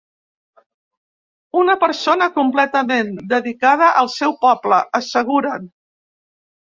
Una persona completament dedicada al seu poble, asseguren.